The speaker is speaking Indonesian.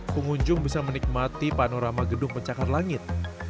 pengunjung bisa menikmati panorama gedung pencakar langit